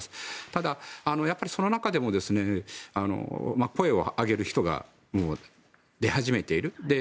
ただ、やっぱりその中でも声を上げる人が出始めている。